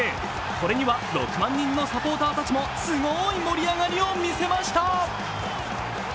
これには６万人のサポーターたちもすごい盛り上がりを見せました。